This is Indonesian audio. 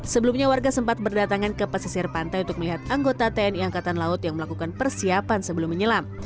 sebelumnya warga sempat berdatangan ke pesisir pantai untuk melihat anggota tni angkatan laut yang melakukan persiapan sebelum menyelam